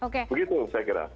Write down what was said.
begitu saya kira